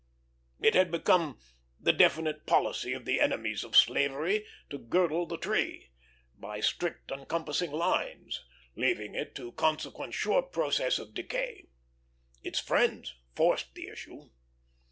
It had become the definite policy of the enemies of slavery to girdle the tree, by strict encompassing lines, leaving it to consequent sure process of decay. Its friends forced the issue.